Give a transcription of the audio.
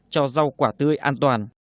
cho rau quả tươi an toàn